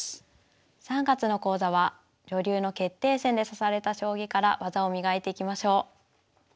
３月の講座は女流の決定戦で指された将棋から技を磨いていきましょう。